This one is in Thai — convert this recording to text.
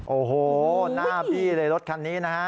โอ้โหหน้าบี้เลยรถคันนี้นะฮะ